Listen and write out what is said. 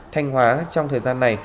thanh hóa trong thời gian này